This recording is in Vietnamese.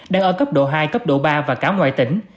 đang ở cấp độ hai cấp độ ba và cả ngoài tỉnh